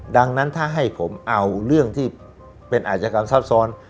ดังนั้นถ้าให้ผมเอาเรื่องที่เป็นอาชญากรรมซับซ้อน